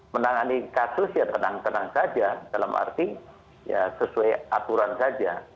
menangani kasus ya tenang tenang saja dalam arti ya sesuai aturan saja